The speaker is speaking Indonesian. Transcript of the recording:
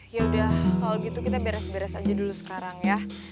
ya udah kalau gitu kita beres beres aja dulu sekarang ya